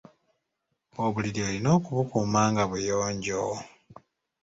Obuliri olina okubukuuma nga buyonjo.